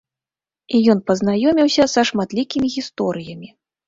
І ён пазнаёміўся са шматлікімі гісторыямі.